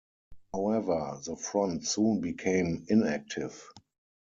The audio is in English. However, the front soon became inactive.